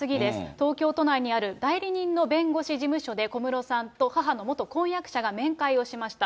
東京都内にある代理人の弁護士事務所で、小室さんと母の元婚約者が面会をしました。